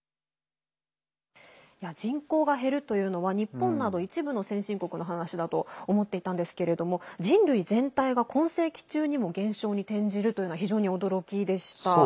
人口が減るというのは日本など一部の先進国の話だと思っていたんですけれども人類全体が今世紀中にも減少に転じるというのは非常に驚きでした。